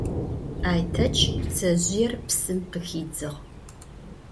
Ayteç ptsezjıêr psım khıxidzığ.